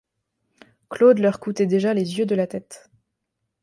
Claude leur coûtait déjà les yeux de la tête.